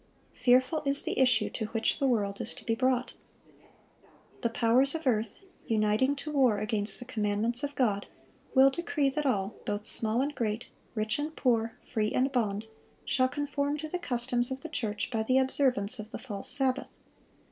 Fearful is the issue to which the world is to be brought. The powers of earth, uniting to war against the commandments of God, will decree that all, "both small and great, rich and poor, free and bond,"(1045) shall conform to the customs of the church by the observance of the false sabbath.